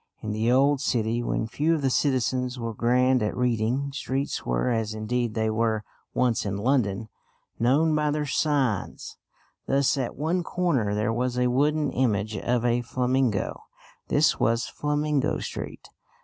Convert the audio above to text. In the old city, when few of the citizens were grand at reading, streets were, as indeed they were once in London, known by their signs. Thus at one corner there was a wooden image of a flamingo; this was Flamingo Street.